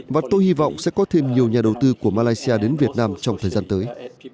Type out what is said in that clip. và tôi hy vọng sẽ có thêm nhiều nhà đầu tư của malaysia đến việt nam trong thời gian tới